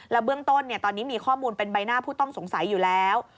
เบื้องต้นตอนนี้มีข้อมูลเป็นใบหน้าผู้ต้องสงสัยอยู่แล้ว